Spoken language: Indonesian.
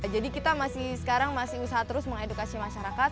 jadi sekarang kita masih usaha terus mengedukasi masyarakat